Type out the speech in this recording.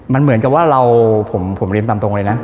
มันเหมือนกับว่าเราผมเรียนตามตรงเลยนะ